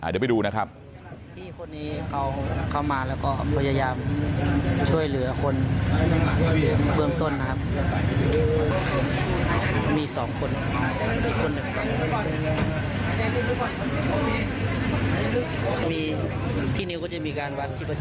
เดี๋ยวไปดูนะครับ